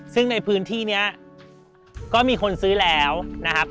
ซึ่งในพื้นที่นี้ก็มีคนซื้อแล้วนะครับ